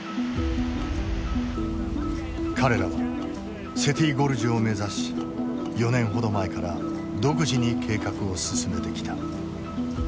彼らはセティ・ゴルジュを目指し４年ほど前から独自に計画を進めてきた。